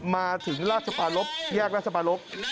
มาถึงราชภารกรปฯแยกราชภารกรปฯ